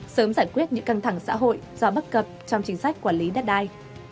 sớm giải quyết những căng thẳng xã hội do bất cập trong chính sách quản lý đất đai